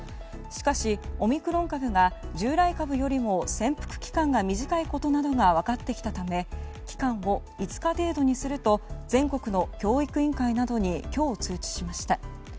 しかし、オミクロン株が従来株よりも潜伏期間が短いことなどが分かってきたため期間を５日程度にすると全国の教育委員会などに今日、通知しました。